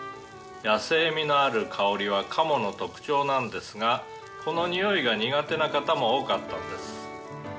「野性味のある香りは鴨の特徴なんですがこのにおいが苦手な方も多かったんです」